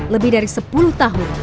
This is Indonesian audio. lebih dari sepuluh tahun